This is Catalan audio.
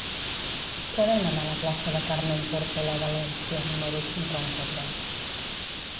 Què venen a la plaça de Carmen Tórtola Valencia número cinquanta-tres?